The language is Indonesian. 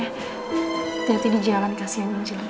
hati hati di jalan kasih yang menjelang